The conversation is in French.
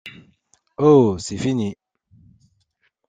Oh! c’est fini !